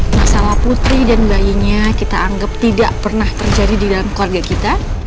masalah putri dan bayinya kita anggap tidak pernah terjadi di dalam keluarga kita